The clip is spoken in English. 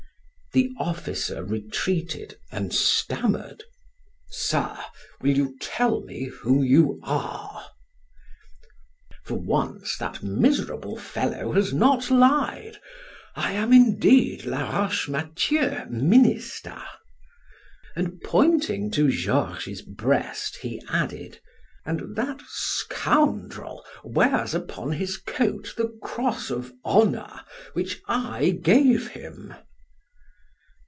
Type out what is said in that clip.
The officer retreated and stammered: "Sir, will you tell me who you are?" "For once that miserable fellow has not lied. I am indeed Laroche Mathieu, minister," and pointing to Georges' breast, he added, "and that scoundrel wears upon his coat the cross of honor which I gave him."